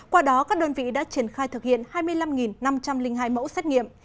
qua đó các đơn vị đã triển khai thực hiện hai mươi năm năm trăm linh hai mẫu xét nghiệm